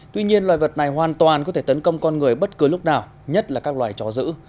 tuy nhiên loài vật này hoàn toàn có thể tấn công con người bất cứ lúc nào nhất là các loài chó giữ